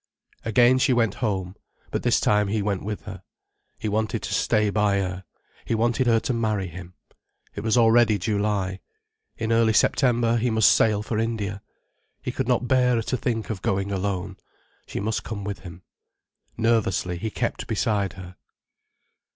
Again she went home. But this time he went with her. He wanted to stay by her. He wanted her to marry him. It was already July. In early September he must sail for India. He could not bear to think of going alone. She must come with him. Nervously, he kept beside her.